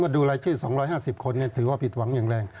ดูรายชื่อ๒๕๐คนถือว่าผิดหวังอย่างแรง